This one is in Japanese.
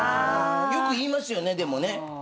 よく言いますよねでもね。